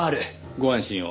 ご安心を。